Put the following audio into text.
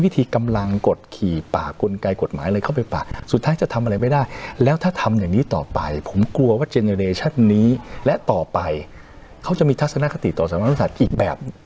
ต่อไปเขาจะมีทัศนคติต่อสำนักงานอุตสัตว์อีกแบบ